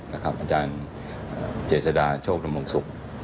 อาจารย์เจษดาโชคละมงศุกร์